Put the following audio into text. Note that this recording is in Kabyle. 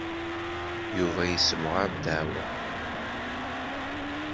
Yuba yessemɣer ddeɛwa.